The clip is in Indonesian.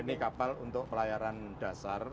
karena ini kapal untuk pelayaran dasar